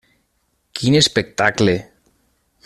Quin espectacle!